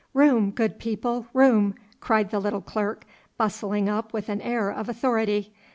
'Room, good people, room! 'cried the little clerk, bustling up with an air of authority.